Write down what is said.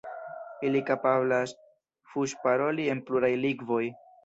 Ili kapablas fuŝparoli en pluraj lingvoj.